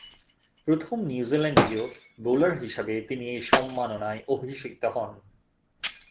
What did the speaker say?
প্রথম নিউজিল্যান্ডীয় বোলার হিসেবে তিনি এ সম্মাননায় অভিষিক্ত হন।